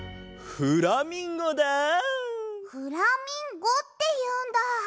フラミンゴっていうんだ。